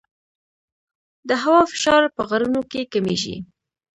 د هوا فشار په غرونو کې کمېږي.